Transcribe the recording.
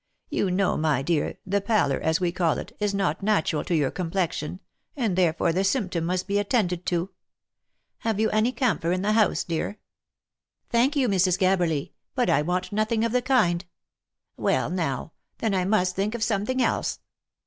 You know my dear, the palor, as we call it, is not natural to your complexion, and therefore the symptom must be attended to. Have you any camphor in the house, dear ?"" Thank you, Mrs. Gabberly ; but I want nothing of the kind." " Well now ! then I must think of something else."